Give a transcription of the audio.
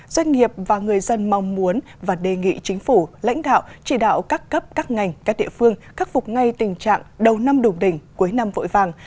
doanh nghiệp và người dân mong muốn và đề nghị chính phủ lãnh đạo chỉ đạo các cấp các ngành các địa phương khắc phục ngay tình trạng đầu năm đủ đỉnh cuối năm vội vàng